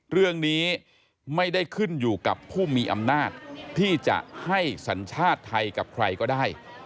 เรื่องนี้ไม่ได้ขึ้นอยู่กับผู้มีอำนาจที่จะให้สัญชาติไทยกับใครก็ได้